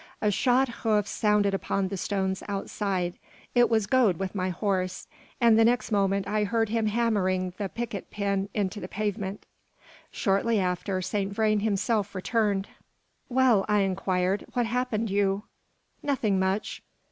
A shod hoof sounded upon the stones outside; it was Gode with my horse; and the next moment I heard him hammering the picket pin into the pavement. Shortly after, Saint Vrain himself returned. "Well," I inquired, "what happened you?" "Nothing much.